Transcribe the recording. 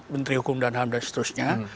menteri hukum dan ham dan seterusnya